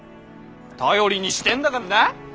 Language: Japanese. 頼りにしてんだかんな。